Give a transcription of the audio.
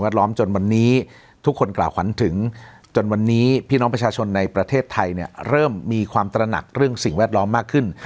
ล้อมจนวันนี้ทุกคนกล่าวขวัญถึงจนวันนี้พี่น้องประชาชนในประเทศไทยเนี่ยเริ่มมีความตระหนักเรื่องสิ่งแวดล้อมมากขึ้น